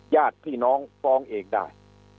ญาติพี่น้องฟ้องเองได้